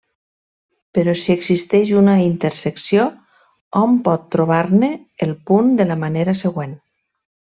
Però si existeix una intersecció, hom pot trobar-ne el punt de la manera següent.